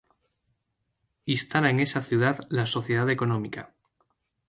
Instala en esa ciudad la Sociedad Económica.